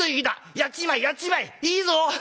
やっちまえやっちまえ！いいぞ！ハハハハッ！